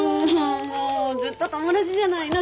もうずっと友達じゃないの。